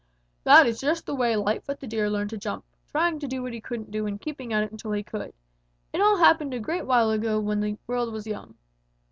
"That is just the way Lightfoot the Deer learned to jump trying to do what he couldn't do and keeping at it until he could. It all happened a great while ago when the world was young."